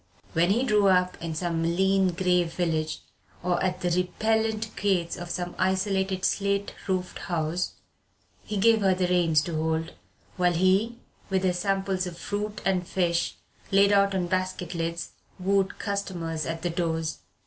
When he drew up in some lean grey village, or at the repellent gates of some isolated slate roofed house, he gave her the reins to hold, while he, with his samples of fruit and fish laid out on basket lids, wooed custom at the doors.